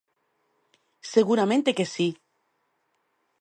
Seguramente que si.